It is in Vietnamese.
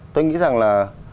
tôi nghĩ rằng là